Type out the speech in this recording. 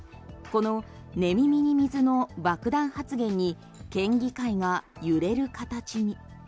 この寝耳に水の爆弾発言に県議会が揺れる形に。